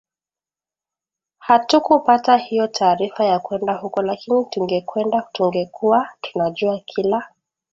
hatukupata hiyo taarifa ya kwenda huko lakini tungekwenda tungekuwa tunajua kila